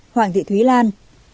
bảy mươi tám hoàng thị thúy lan